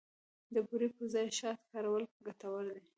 د بوري پر ځای شات کارول ګټور دي.